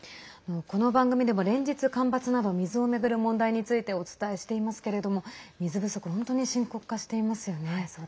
この番組でも連日、干ばつなど水を巡る問題についてお伝えしていますけれども水不足本当に深刻化していますよね。